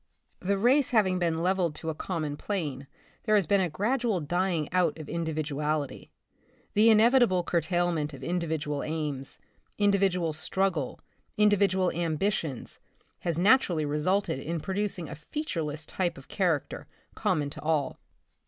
The race hav ing been leveled to a common plane, there has been a gradual dying out of individuality. The inevitable curtailment of individual aims, indi vidual struggle, individual ambitions, has natu rally resulted in producing a featureless type of character, common to all.